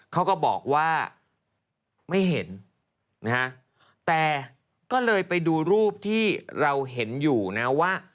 เขาก็บอกว่าไม่เห็นนะฮะแต่ก็เลยไปดูรูปที่เราเห็นอยู่นะว่า